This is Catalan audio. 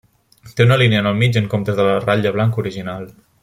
Té una línia en el mig en comptes de la ratlla blanca original.